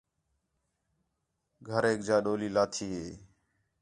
گھریک جا ݙولی لاتھی ہی